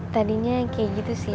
tadinya kayak gitu sih